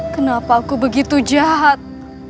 kenapa aku begitu jahat